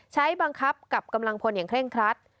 ใช้บังคับกับกำลังพลอย่างเคร่งครัด